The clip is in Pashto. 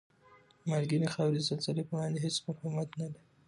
مالګینې خاورې د زلزلې په وړاندې هېڅ مقاومت نلري؟